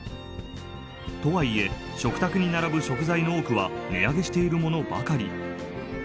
とはいえ食卓に並ぶ食材の多くは値上げしているものばかり。